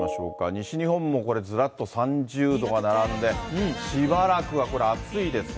西日本もこれ、ずらっと３０度が並んで、しばらくはこれ、暑いですね。